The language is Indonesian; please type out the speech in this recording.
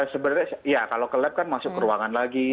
sebenarnya ya kalau ke lab kan masuk ke ruangan lagi